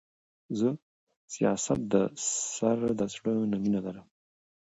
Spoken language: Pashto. زه سياست د سره د زړه نه مينه لرم.